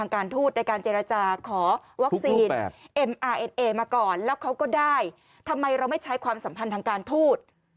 เกาหลีใต้ใช้ความสัมพันธ์ทางการโทษ